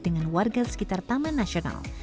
dengan warga sekitar taman nasional